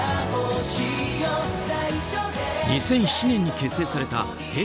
２００７年に結成されたＨｅｙ！